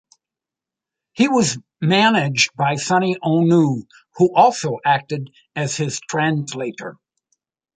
He was managed by Sonny Onoo, who also acted as his translator.